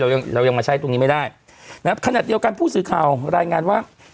ยังเรายังมาใช้ตรงนี้ไม่ได้นะครับขณะเดียวกันผู้สื่อข่าวรายงานว่า